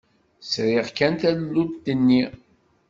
Sriɣ kan tallunt-inu.